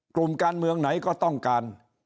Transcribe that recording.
กลุ่มการเมืองไหนก็ต้องการ